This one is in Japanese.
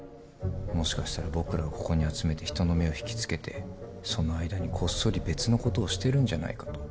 もしかしたら僕らをここに集めて人の目を引きつけてその間にこっそり別のことをしてるんじゃないかと。